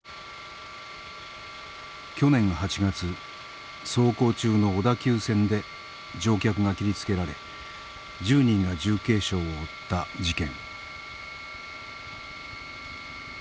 去年８月走行中の小田急線で乗客が切りつけられ１０人が重軽傷を負った事件。